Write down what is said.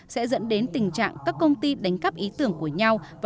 sẽ dẫn đến tình trạng các công ty đánh cắp ý tưởng của nhau